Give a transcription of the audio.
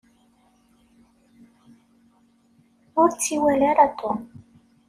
Ur tt-iwala ara Tom.